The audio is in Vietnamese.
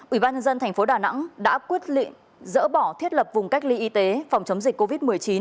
ubnd tp đà nẵng đã quyết định dỡ bỏ thiết lập vùng cách ly y tế phòng chống dịch covid một mươi chín